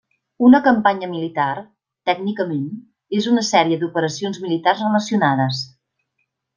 Una campanya militar, tècnicament, és una sèrie d'operacions militars relacionades.